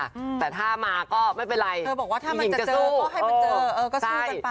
เธอบอกว่าถ้ามันจะเจอก็ให้มันเจอก็สู้กันไป